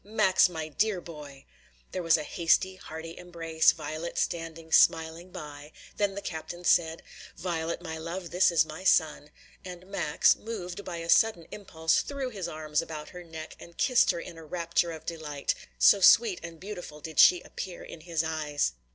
"Max, my dear boy!" There was a hasty, hearty embrace, Violet standing smiling by, then the captain said, "Violet, my love, this is my son," and Max, moved by a sudden impulse, threw his arms about her neck and kissed her in a rapture of delight, so sweet and beautiful did she appear in his eyes.